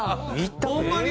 ホンマに！？